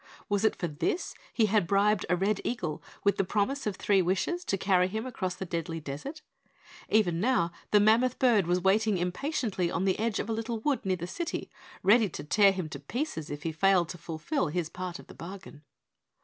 Was it for this he had bribed a red eagle with the promise of three wishes to carry him across the Deadly Desert? Even now the mammoth bird was waiting impatiently on the edge of a little wood near the City ready to tear him to pieces if he failed to fulfill his part of the bargain.